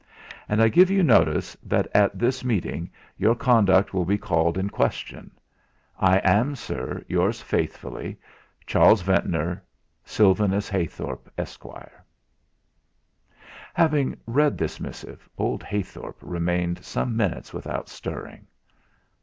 And I give you notice that at this meeting your conduct will be called in question. "I am, Sir, "Yours faithfully, "CHARLES VENTNOR. "SYLVANUS HEYTHORP, ESQ." Having read this missive, old Heythorp remained some minutes without stirring.